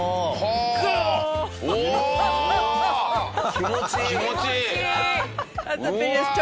おお気持ちいい！